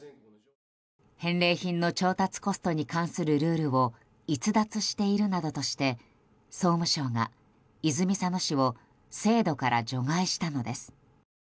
返礼品の調達コストに関するルールを逸脱しているなどとして総務省が泉佐野市を制度から除外したのです。